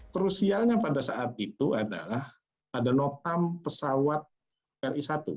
krusialnya pada saat itu adalah pada notam pesawat ri satu